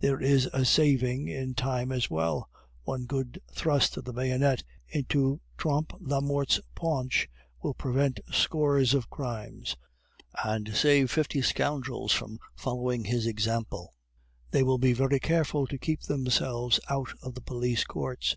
There is a saving in time as well. One good thrust of the bayonet into Trompe la Mort's paunch will prevent scores of crimes, and save fifty scoundrels from following his example; they will be very careful to keep themselves out of the police courts.